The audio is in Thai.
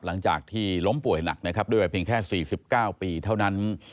หลังจากที่ล้มป่วยหนักนะครับด้วยวัยเพียงแค่๔๙ปีเท่านั้น